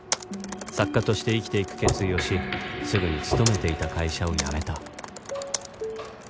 作家として生きていく決意をしすぐに勤めていた会社を辞めた